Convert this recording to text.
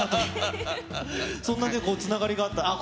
そんなつながりがあったとは。